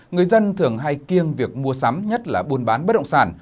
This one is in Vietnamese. người dân thường hay kiêng việc mua sắm nhất là buôn bán bất động sản